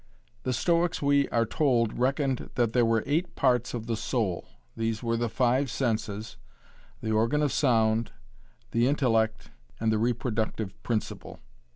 The Stoics we are told reckoned that there were eight parts of the soul. These were the five senses, the organ of sound, the intellect and the reproductive principle.